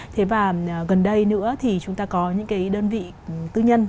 thế và gần đây nữa thì chúng ta có những cái đơn vị tư nhân